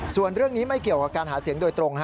ส่วนเรื่องนี้ไม่เกี่ยวกับการหาเสียงโดยตรง